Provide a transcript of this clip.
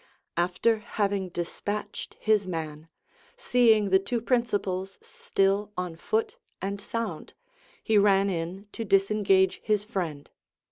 After having despatched his man, seeing the two principals still on foot and sound, he ran in to disengage his friend.